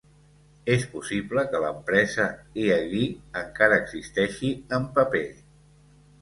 És possible que l'empresa Ihagee encara existeixi en paper.